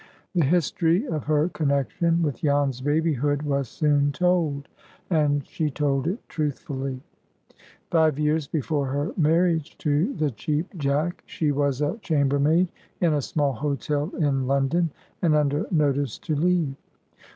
The history of her connection with Jan's babyhood was soon told, and she told it truthfully. Five years before her marriage to the Cheap Jack, she was a chambermaid in a small hotel in London, and "under notice to leave."